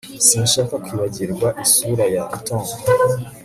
Sinshaka kwibagirwa isura ya Tom